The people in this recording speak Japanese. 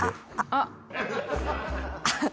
あっ。